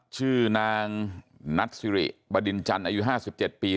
ชื่อนางนัทสิริบดินจันทร์อายุ๕๗ปี